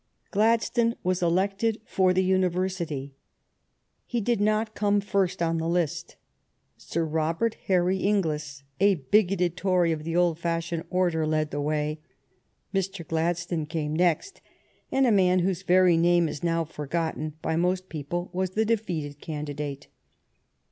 Gladstone was elected for the University. He did not come first on the list. Sir Robert Harry Inglis, a bigoted Tory of the old fashioned order, led the way, Mr. Gladstone came next, and a man whose very name is now forgotten by most people was the defeated candidate.